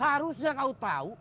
harusnya kau tau